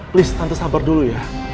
please tante sabar dulu ya